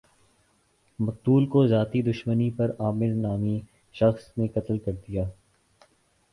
مقتول کو ذاتی دشمنی پر عامر نامی شخص نے قتل کردیا